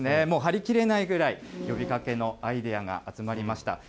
もう貼りきれないぐらい、呼びかけのアイデアが集まりました。